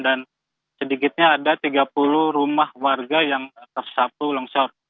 dan sedikitnya ada tiga puluh rumah warga yang tersapu longsor